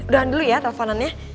udahan dulu ya telponannya